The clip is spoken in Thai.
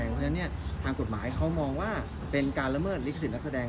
เพราะฉะนั้นทางกฎหมายเขามองว่าเป็นการละเมิดลิขสิทธิ์นักแสดง